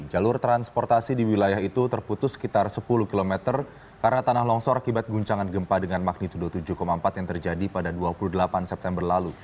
jalur transportasi di wilayah itu terputus sekitar sepuluh km karena tanah longsor akibat guncangan gempa dengan magnitudo tujuh empat yang terjadi pada dua puluh delapan september lalu